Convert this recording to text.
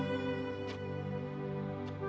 kamu tidak kenal saya